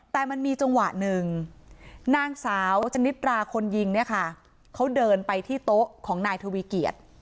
แต่มันมีจังหวะหนึ่งนางสาวชนิดราคนยิงเนี่ยค่ะเขาเดินไปที่โต๊ะของนายทวีเกียจ